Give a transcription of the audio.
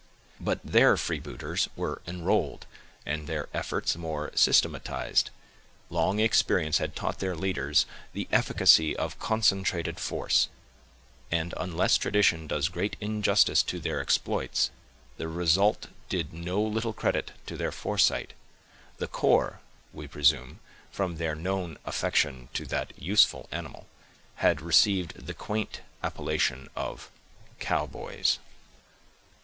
But their freebooters were enrolled, and their efforts more systematized. Long experience had taught their leaders the efficacy of concentrated force; and, unless tradition does great injustice to their exploits, the result did no little credit to their foresight. The corps—we presume, from their known affection to that useful animal—had received the quaint appellation of "Cowboys."